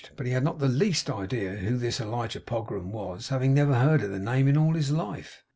But he had not the least idea who this Elijah Pogram was; having never heard the name in all his life.